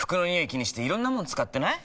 気にしていろんなもの使ってない？